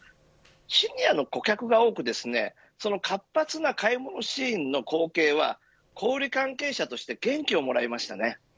シニアの顧客が多くその活発な買い物シーンの光景は小売り関係者として元気をもらいました。